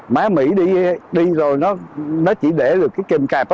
má mỹ đi rồi nó chỉ để được cái kèm cạp